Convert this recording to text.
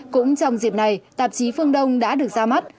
cũng trong dịp này tạp chí phương đông đã được ra mắt